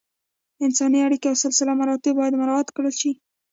انساني اړیکې او سلسله مراتب باید مراعت کړل شي.